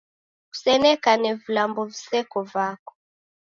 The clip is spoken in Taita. Kusenekane vilambo viseko vako